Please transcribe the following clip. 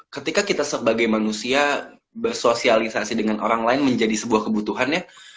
ketika kita sebagai manusia bersosialisasi dengan orang lain menjadi sebuah kebutuhan ya